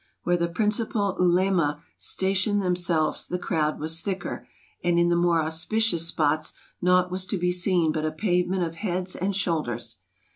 Where the principal ulema stationed them selves the crowd was thicker; and in the more auspicious spots naught was to be seen but a pavement of heads and shoulders.